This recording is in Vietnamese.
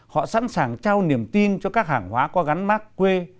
họ sẵn sàng trao niềm tin cho các hàng hóa có gắn mát quê